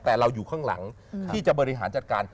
แต่เราอยู่ข้างหลังที่จะบริหารจัดการ